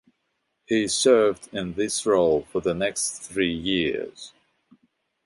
He served in this role for the next three years.